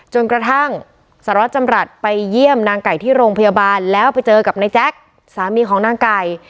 จนกระทั่งสารวัตรจำรัฐไปเยี่ยมนางไก่ที่โรงพยาบาลแล้วไปเจอกับนายแจ๊คสามีของนางไก่